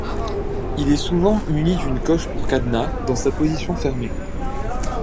Il est souvent muni d’une coche pour cadenas, dans sa position fermée.